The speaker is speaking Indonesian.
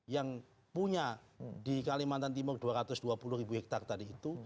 yang punya di kalimantan timur dua ratus dua puluh ribu hektare tadi itu